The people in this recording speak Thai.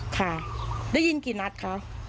ค่ะได้ยินกี่นัดคะ